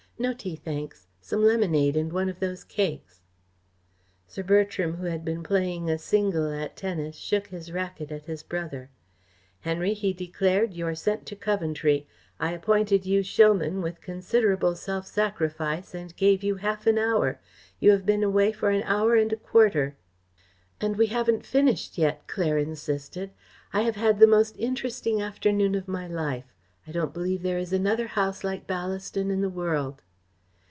No tea, thanks. Some lemonade and one of those cakes." Sir Bertram, who had been playing a single at tennis, shook his racket at his brother. "Henry," he declared, "you are sent to Coventry. I appointed you showman with considerable self sacrifice, and gave you half an hour. You have been away for an hour and a quarter." "And we haven't finished yet," Claire insisted. "I have had the most interesting afternoon of my life. I don't believe there is another house like Ballaston in the world."